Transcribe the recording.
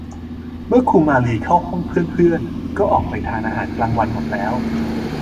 เมื่อครูมาลีเข้าห้องเพื่อน ๆ ก็ออกไปทานอาหารกลางวันหมดแล้ว